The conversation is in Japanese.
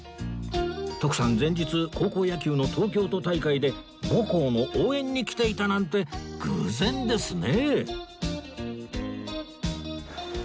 徳さん前日高校野球の東京都大会で母校の応援に来ていたなんて偶然ですね